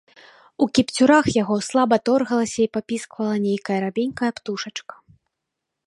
У кіпцюрах яго слаба торгалася і папісквала нейкая рабенькая птушачка.